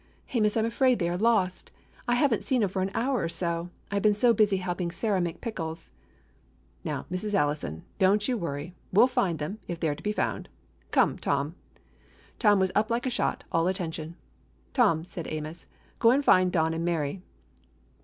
"Amos, I am afraid they are lost. I have n't seen them for an hour or so, I 've been so busy helping Sarah make pickles." "Now, Mrs. Allison, don't you worry. We 'll find them, if they 're to be found. Come, Tom." Tom was up like a shot, all attention. "Tom," said Amos, "go and find Don and Mary!"